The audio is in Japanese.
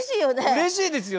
うれしいですよ。